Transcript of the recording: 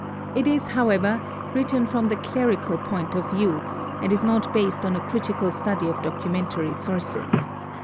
It is however written from the clerical point of view, and is not based on a critical study of documentary sources.